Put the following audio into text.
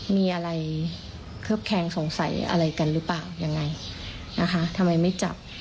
มีอะไรเคลือบแคงสงสัยอะไรกันหรือเปล่ายังไงนะคะทำไมไม่จับ